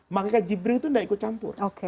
maka jibri itu tidak ikut campur